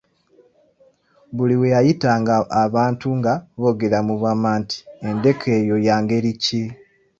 Buli we yayitanga abantu nga boogera mu bwama nti, endeku eyo ya ngeri ki?